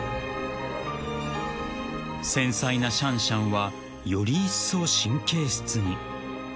［繊細なシャンシャンはより一層神経質に］